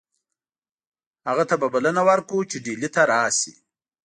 هغه ته به بلنه ورکړو چې ډهلي ته راشي.